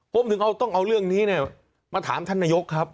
ผมถึงต้องเอาเรื่องนี้มาถามท่านนายกครับ